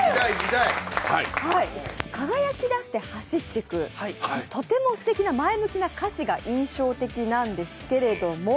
「輝きだして走ってく」、とても素敵な前向きな歌詞が印象的なんですけれども。